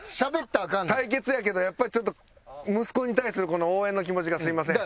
対決やけどやっぱりちょっと息子に対する応援の気持ちがすみません。